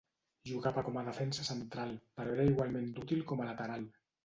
Jugava com a defensa central, però era igualment d'útil com a lateral.